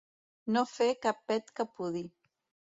No fer cap pet que pudi.